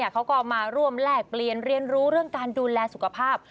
เขาก็มาร่วมแลกเปลี่ยนเรียนรู้เรื่องการดูแลสุขภาพ